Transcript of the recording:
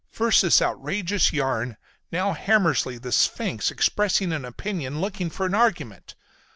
First this outrageous yarn, now Hammersly, the "sphinx," expressing an opinion, looking for an argument!